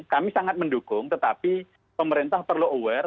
kami sangat mendukung tetapi pemerintah perlu aware